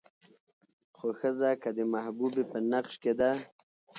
خو ښځه که د محبوبې په نقش کې ده